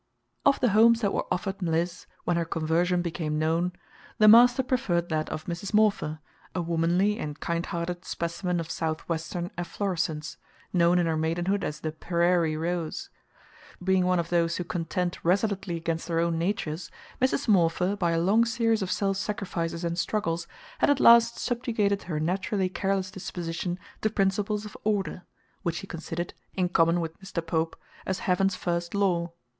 Of the homes that were offered Mliss when her conversion became known, the master preferred that of Mrs. Morpher, a womanly and kindhearted specimen of Southwestern efflorescence, known in her maidenhood as the "Per rairie Rose." Being one of those who contend resolutely against their own natures, Mrs. Morpher, by a long series of self sacrifices and struggles, had at last subjugated her naturally careless disposition to principles of "order," which she considered, in common with Mr. Pope, as "Heaven's first law."